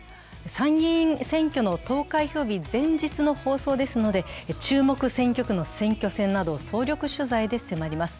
参議院選挙の投開票日前日の放送ですので、注目選挙区の選挙戦などを総力取材で迫ります。